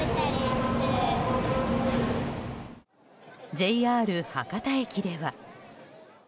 ＪＲ博多駅では。